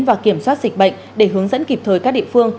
và kiểm soát dịch bệnh để hướng dẫn kịp thời các địa phương